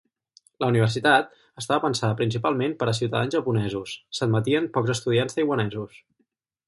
La Universitat estava pensada principalment per a ciutadans japonesos, s'admetien pocs estudiants taiwanesos.